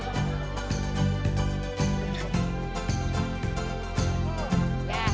terima kasih pak